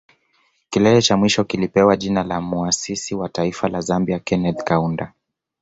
Kilele cha mwisho kilipewa jina la Muasisi wa Taifa la Zambia Kenneth Kaunda